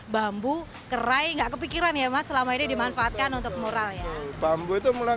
bambu kerai nggak kepikiran ya mas selama ini dimanfaatkan untuk mural ya bambu itu mulai